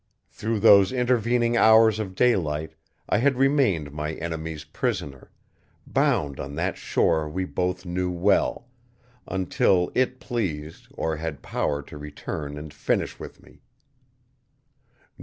Through those intervening hours of daylight I had remained my enemy's prisoner, bound on that shore we both knew well, until It pleased or had power to return and finish with me.